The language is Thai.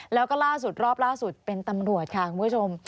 แล้วก็ล่าสุดรอบล่าสุดเป็นตำรวจค่ะคุณผู้ชม